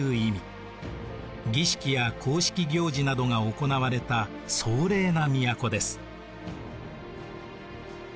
儀式や公式行事などが行われた壮麗な都です。